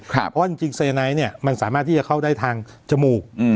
เพราะว่าจริงเซไนท์เนี่ยมันสามารถที่จะเข้าได้ทางจมูก